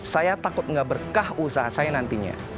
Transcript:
saya takut enggak berkah usaha saya nantinya